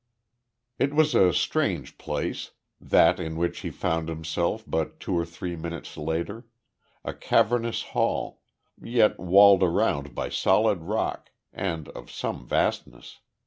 It was a strange place, that in which he found himself but two or three minutes later a cavernous hall, yet walled around by solid rock, and of some vastness.